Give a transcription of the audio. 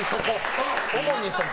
主にそこ。